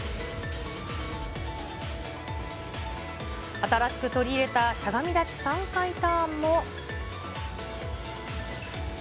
新しく取り入れたしゃがみ立ち３回ターンも。